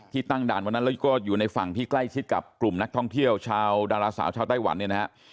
ตั้งด่านวันนั้นแล้วก็อยู่ในฝั่งที่ใกล้ชิดกับกลุ่มนักท่องเที่ยวชาวดาราสาวชาวไต้หวันเนี่ยนะฮะ